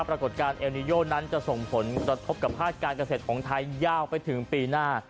ปรากฏการณ์เอลนิโยนั้นจะส่งผลกระทบกับภาคการเกษตรของไทยยาวไปถึงปีหน้า